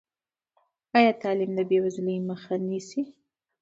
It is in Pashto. ایا تعلیم د بېوزلۍ مخه نیسي؟